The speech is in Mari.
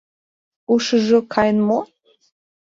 Ушыжо каен мо?..